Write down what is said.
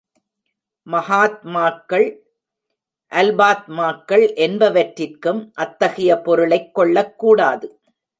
மகாத்மாக்கள், அல்பாத்மாக்கள் என்பவற்றிற்கும் அத்தகைய பொருளைக் கொள்ளக்கூடாது.